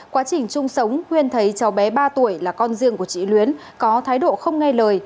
quá trình chung sống huyên thấy cháu bé ba tuổi là con riêng của chị luyến có thái độ không nghe lời